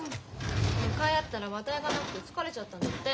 向かい合ったら話題がなくて疲れちゃったんだって。